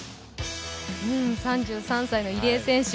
３３歳の入江選手。